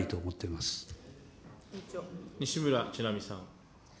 西村智奈美さん。